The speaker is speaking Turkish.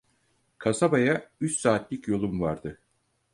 Kasabaya üç saatlik yolum vardı.